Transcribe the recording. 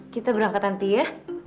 kita berangkat nanti ya